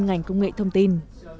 ngành công nghệ thông tin